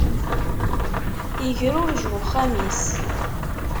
Igrurej uxxam-is.